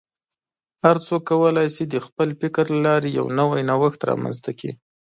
هر څوک کولی شي د خپل فکر له لارې یو نوی نوښت رامنځته کړي.